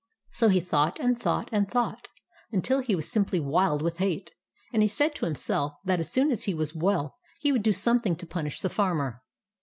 So he thought and thought and thought, until he was simply wild with hate; and he said to himself that as soon as he was well he would do something to punish the Farmer.